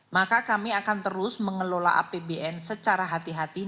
maka kami akan terus mengelola apbn secara hati hati